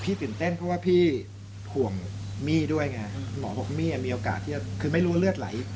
ตื่นเต้นเพราะว่าพี่ห่วงมี่ด้วยไงหมอบอกมี่มีโอกาสที่จะคือไม่รู้เลือดไหล